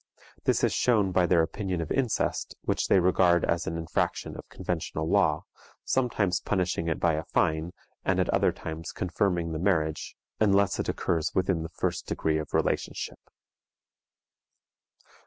This is shown by their opinion of incest, which they regard as an infraction of conventional law, sometimes punishing it by a fine, and at other times confirming the marriage, unless it occurs within the first degree of relationship.